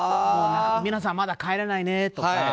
皆さん、まだ帰れないねとか。